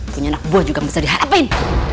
punya nakbua juga bisa diharapin